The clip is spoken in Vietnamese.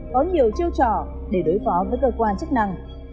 có nhiều chiêu trò để đối phó với cơ quan chức năng